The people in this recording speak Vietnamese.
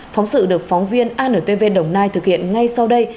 phóng sự được phóng viên antv đồng nai thực hiện ngay sau đây